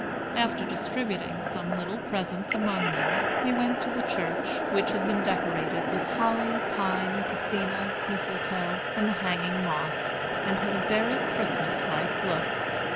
After distributing some little presents among them, we went to the church, which had been decorated with holly, pine, cassena, mistletoe, and the hanging moss, and had a very Christmas like look.